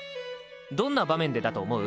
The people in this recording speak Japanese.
どんな場面でだと思う？